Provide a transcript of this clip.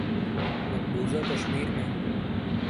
مقبوضہ کشمیر میں